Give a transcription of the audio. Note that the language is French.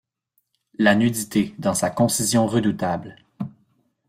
La nudité dans sa concision redoutable.